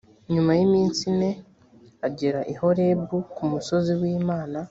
nyuma y’iminsi ine agera i horebu ku musozi w’imana